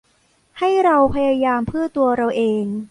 ให้เราพยายามเพื่อตัวเราเอง